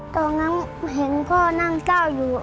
ตอนนั้นเห็นพ่อนั่งก้าวอยู่